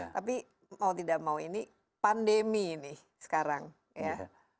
tapi mau tidak mau ini pandemi ini sekarang ya